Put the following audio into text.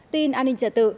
tin an ninh trả tự